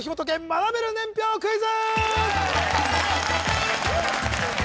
学べる年表クイズ